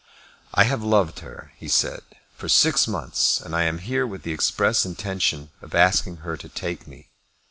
"I have loved her," he said, "for six months, and I am here with the express intention of asking her to take me.